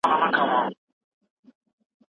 ایا ستا په ښوونځي کې کتابتون سته؟